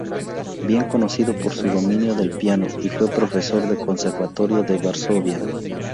Bien conocido por su dominio del piano y fue profesor del Conservatorio de Varsovia.